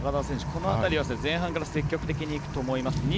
この辺りは前半から積極的にいくと思います。